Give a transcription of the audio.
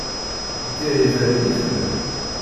D tiɛibanin i tellamt?